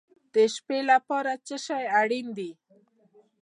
د شپې لپاره څه شی اړین دی؟